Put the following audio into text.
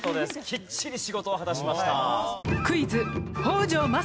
きっちり仕事を果たしました。